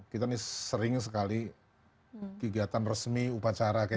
kita ini sering sekali kegiatan resmi upacara kayak gitu